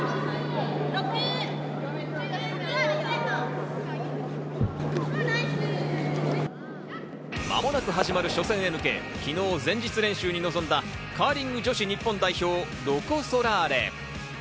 間もなく始まる初戦へ向け昨日、前日練習に臨んだカーリング女子日本代表ロコ・ソラーレ。